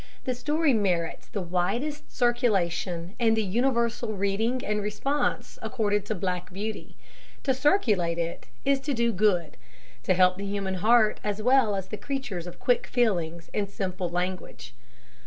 The story merits the widest circulation, and the universal reading and response accorded to "Black Beauty." To circulate it is to do good; to help the human heart as well as the creatures of quick feelings and simple language.